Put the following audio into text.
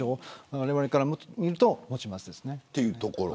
われわれから見ると持ちます。